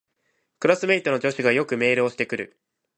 クラスメイトの女子がよくメールをしてくる